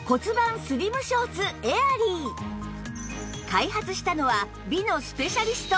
開発したのは美のスペシャリスト